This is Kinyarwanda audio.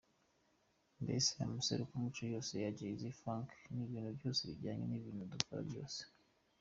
Mbese amaserukiramuco yose ya Jazz, Funk n’ibintu byose bijyanye n’ibintu dukora byose .